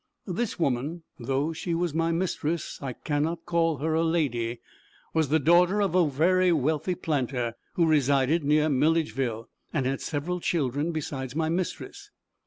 This woman (though she was my mistress, I cannot call her lady,) was the daughter of a very wealthy planter, who resided near Milledgeville, and had several children besides my mistress.